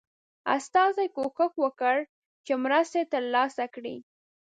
استازي کوښښ وکړ چې مرسته ترلاسه کړي.